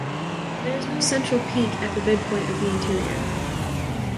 There is no central peak at the midpoint of the interior.